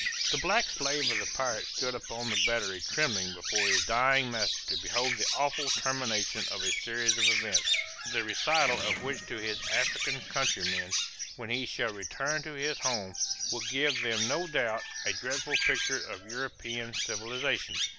The black slave of the pirate stood upon the battery trembling before his dying master to behold the awful termination of a series of events, the recital of which to his African countrymen, when he shall return to his home, will give them no doubt, a dreadful picture of European civilization.